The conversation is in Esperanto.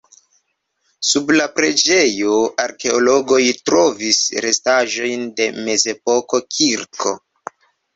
Sub la preĝejo arkeologoj trovis restaĵojn de mezepoka kirko.